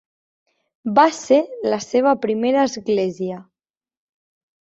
Va ser la seva primera església.